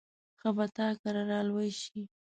ښه به تا کره را لوی شي.